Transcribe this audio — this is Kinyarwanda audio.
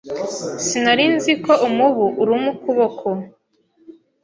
Sinari nzi ko umubu uruma ukuboko.